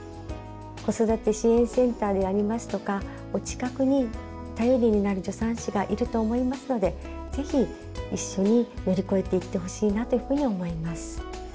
子育て支援センターでありますとかお近くに頼りになる助産師がいると思いますので是非一緒に乗り越えていってほしいなというふうに思います。